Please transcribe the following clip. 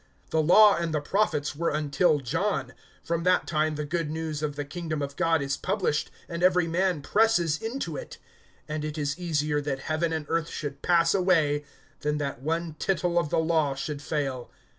(16)The law and the prophets were until John; from that time the good news of the kingdom of God is published, and every man presses into it. (17)And it is easier that heaven and earth should pass away, than that one tittle of the law should fail.